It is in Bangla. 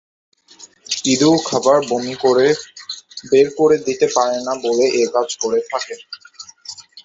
ইঁদুর খাবার বমি করে বের করে দিতে পারে না বলে এ কাজ করে থাকে।